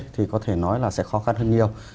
thì có thể nói là sẽ khó khăn hơn nhiều